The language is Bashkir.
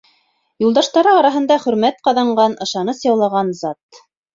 Юлдаштары араһында хөрмәт ҡаҙанған, ышаныс яулаған зат.